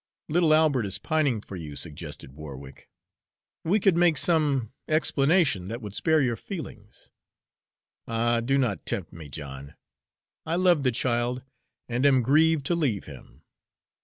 "Little Albert is pining for you," suggested Warwick. "We could make some explanation that would spare your feelings." "Ah, do not tempt me, John! I love the child, and am grieved to leave him.